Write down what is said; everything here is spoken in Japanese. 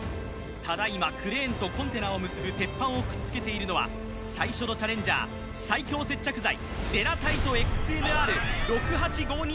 ただいまクレーンとコンテナを結ぶ鉄板をくっつけているのは最初のチャレンジャー最強接着剤